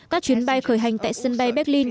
các chuyến bay khởi hành tại sân bay berlin